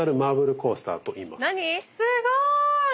すごーい！